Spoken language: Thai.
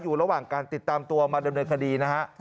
อยู่ระหว่างการติดตามตัวมาดำเนินคดีนะฮะ